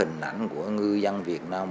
tất cả những cái hình ảnh của ngư dân việt nam